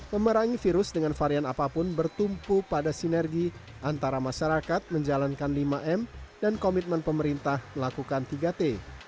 memerangi virus dengan varian apapun bertumpu pada sinergi antara masyarakat menjalankan lima m dan komitmen pemerintah melakukan tiga t